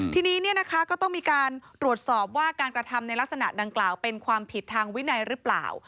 ทีนี้ก็ต้องมีการตรวจสอบว่าการกระทำในลักษณะดังกล่าวเป็นความผิดทางวินัยหรือเปล่า